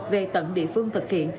về tận địa phương thực hiện